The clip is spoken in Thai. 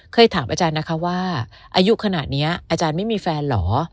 เคยถามอาจารย์นะคะว่าอายุขนาดนี้อาจารย์ไม่มีแฟนเหรอ